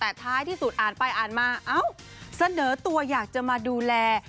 แต่ท้ายที่สุดอ่านไปอ่านมาเอ้าเสนอตัวอยากจะมาดูแล